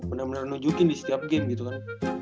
bener bener nunjukin di setiap game gitu kan